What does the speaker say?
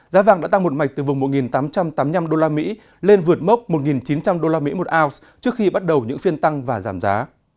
giá vàng đã tăng một mạch từ vùng một tám trăm tám mươi năm usd lên vượt mốc một chín trăm linh usd một ounce trước khi bắt đầu những phiên tăng và giảm giá